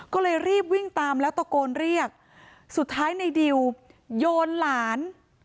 ก็เลยรีบวิ่งตามแล้วตะโกนเรียกสุดท้ายในดิวโยนหลาน